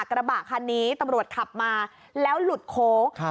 กระบะคันนี้ตำรวจขับมาแล้วหลุดโค้ง